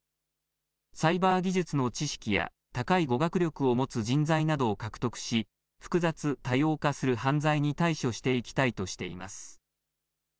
サイバー技術の知識や高い語学力を持つ人材などを獲得し複雑・多様化する犯罪に対処していきたいとしています。